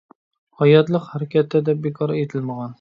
«ھاياتلىق ھەرىكەتتە» دەپ بىكار ئېيتىلمىغان.